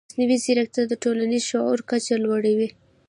مصنوعي ځیرکتیا د ټولنیز شعور کچه لوړوي.